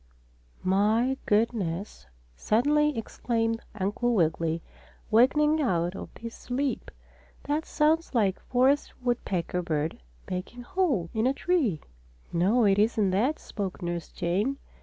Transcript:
"My goodness!" suddenly exclaimed Uncle Wiggily, awakening out of his sleep. "That sounds like the forest woodpecker bird making holes in a tree." "No, it isn't that," spoke Nurse Jane.